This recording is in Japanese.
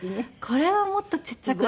これはもっとちっちゃくて。